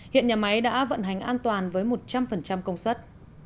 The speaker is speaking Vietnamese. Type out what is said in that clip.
hiện nhà máy đã vận hành an toàn với một trăm linh công suất